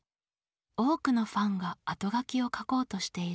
多くのファンがあとがきを書こうとしている。